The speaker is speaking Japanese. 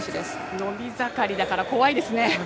伸び盛りだから怖いですね。